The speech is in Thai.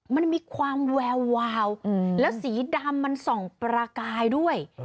มันมีความแวววาวแล้วสีดำมันส่องประกายด้วย